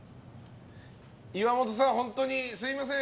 岩本さん、本当にすみません。